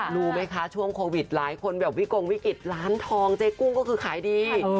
รู้ไหมคะช่วงโควิดหลายคนแบบวิกงวิกฤตร้านทองเจ๊กุ้งก็คือขายดี